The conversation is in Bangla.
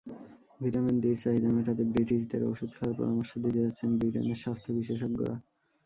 ভিটামিন ডি-র চাহিদা মেটাতে ব্রিটিশদের ওষুধ খাওয়ার পরামর্শ দিতে যাচ্ছেন ব্রিটেনের স্বাস্থ্য বিশেষজ্ঞরা।